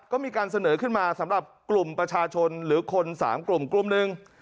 ก็มีการเสนอขึ้นมาสำหรับกลุ่มประชาชนหรือคน๓กลุ่มกลุ่มหนึ่ง